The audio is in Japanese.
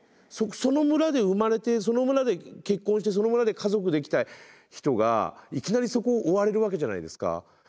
その村で生まれてその村で結婚してその村で家族できた人がいきなりそこを追われるわけじゃないですか。